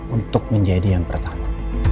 untuk menjadi yang pertama